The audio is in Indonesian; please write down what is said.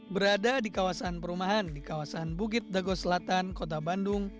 berada di kawasan perumahan di kawasan bukit dago selatan kota bandung